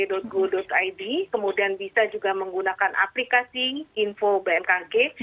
go id kemudian bisa juga menggunakan aplikasi info bmkg